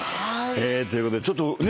ということでちょっとね